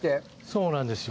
そうなんですよ。